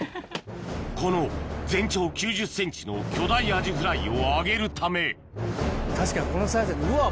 この全長９０ｃｍの巨大アジフライを揚げるため確かにこのサイズうわ